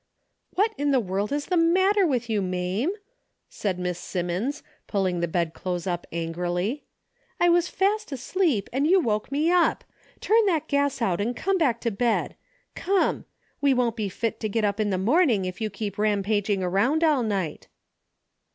" What in the world is the matter with you, A DAILY RATE.^^ 251 Marne ?" said Miss Simmons, pulling the bed clothes up angrily. ''I was fast asleep and you woke me up I Turn that gas out and come back to bed I Cornel ' We won't be fit to get up in the morning, if you keep rampag ing round all night."